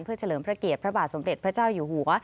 เพื่อเฉลิมพระเกตพระบาทสมเด็จพระเจ้าอยู่หัว